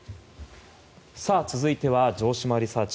続いては城島リサーチ！